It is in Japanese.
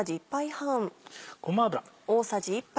ごま油。